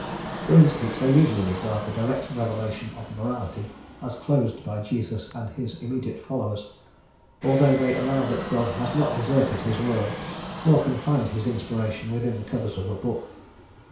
For instance, they usually regard the direct revelation of morality as closed by Jesus and His immediate followers, although they allow that God has not deserted His world, nor confined His inspiration within the covers of a book.